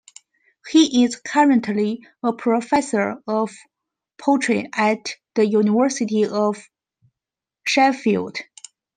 He is currently a Professor of Poetry at the University of Sheffield.